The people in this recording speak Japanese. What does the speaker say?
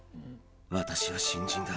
私は新人だ。